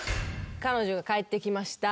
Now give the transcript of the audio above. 彼女が帰ってきました。